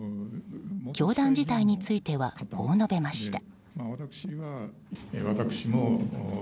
教団自体についてはこう述べました。